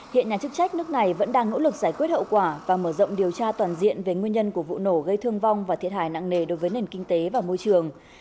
hiện nhà chức trách nước này vẫn đang nỗ lực giải quyết hậu quả và mở rộng điều tra toàn diện về nguyên nhân của vụ nổ gây thương vong và thiệt hại nặng nề đối với nền kinh tế và môi trường